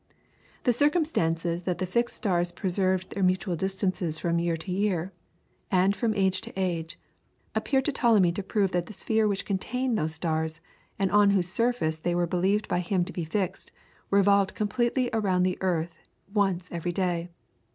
The circumstance that the fixed stars preserved their mutual distances from year to year, and from age to age, appeared to Ptolemy to prove that the sphere which contained those stars, and on whose surface they were believed by him to be fixed, revolved completely around the earth once every day.